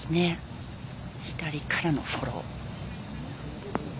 左からのフォロー。